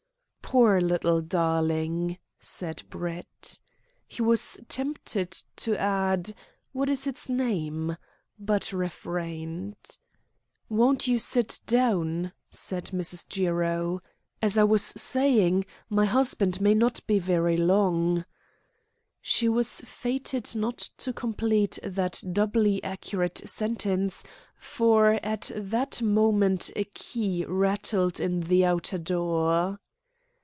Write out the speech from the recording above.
"Poor little darling!" said Brett. He was tempted to add: "What is its name?" but refrained. "Won't you sit down?" said Mrs. Jiro. "As I was saying, my husband may not be very long " She was fated not to complete that doubly accurate sentence, for at that moment a key rattled in the outer door.